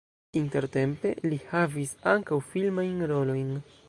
Intertempe li havis ankaŭ filmajn rolojn.